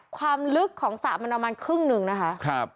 ความลึกของสระมันดามันครึ่งหนึ่งนะคะครับ